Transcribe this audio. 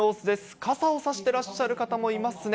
傘を差してらっしゃる方もいますね。